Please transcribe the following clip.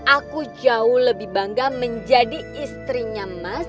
aku jauh lebih bangga menjadi istrinya mas